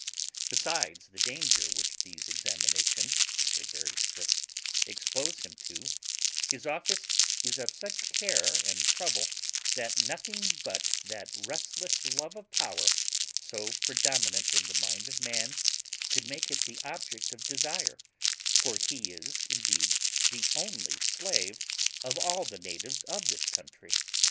Besides the danger which these examinations, which are very strict, expose him to, his office is of such care and trouble that nothing but that restless love of power so predominant in the mind of man could make it the object of desire, for he is indeed the only slave of all the natives of this country.